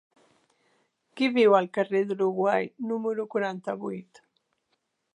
Qui viu al carrer de l'Uruguai número quaranta-vuit?